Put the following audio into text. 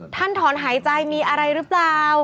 ท่านถอนหายใจมีอะไรรึเปล่า